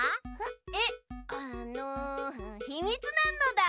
えっあのひみつなのだ！